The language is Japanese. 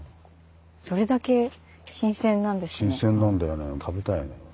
それだけ新鮮なんですね。